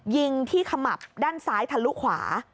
ยิงที่ขมับด้านซ้ายทะลุขวา